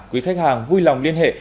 quý khách hàng vui lòng liên hệ